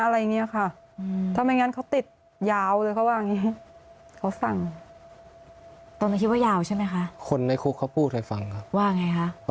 ได้คุยกันไว้ไหมว่าเอะ